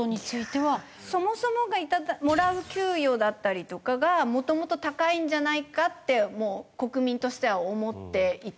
そもそもがもらう給与だったりとかがもともと高いんじゃないかってもう国民としては思っていて。